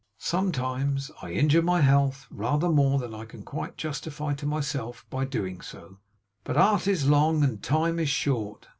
Sometimes I injure my health rather more than I can quite justify to myself, by doing so; but art is long and time is short.